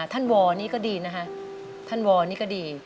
วอนี่ก็ดีนะคะท่านวอนี่ก็ดี